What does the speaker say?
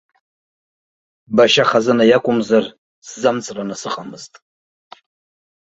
Башьа хазына иакәымзар, сзамҵраны сыҟаӡамызт.